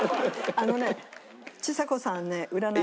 あのね。